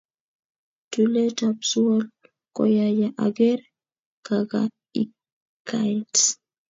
tulet apsuol koyaya aker kakaikaet